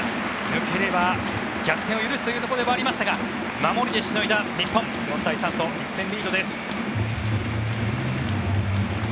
抜ければ逆転を許すというところではありましたが守りでしのいだ日本４対３と１点リードです。